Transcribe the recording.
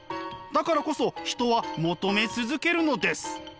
だからこそ人は求め続けるのです。